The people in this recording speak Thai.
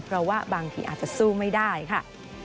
เพราะว่าบางทีอาจจะสู้ไม่ได้ค่ะ